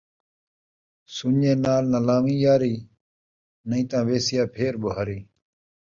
سن٘ڄے نال ناں لان٘ویں یاری ، نئیں تاں ویسیا پھیر ٻوہاری